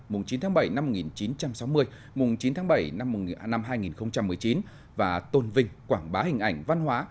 mùng chín tháng bảy năm một nghìn chín trăm sáu mươi mùng chín tháng bảy năm hai nghìn một mươi chín và tôn vinh quảng bá hình ảnh văn hóa